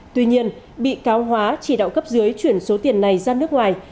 tuy nhiên bị cáo hóa chỉ đạo cấp dưới chuyển số tiền này ra nước ngoài